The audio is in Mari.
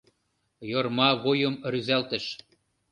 — Йорма вуйым рӱзалтыш.